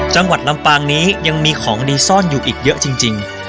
จังหวัดลำปางนี้ยังมีของดีซ่อนอยู่อีกเยอะจริง